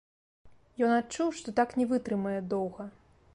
Ён адчуў, што так не вытрымае доўга.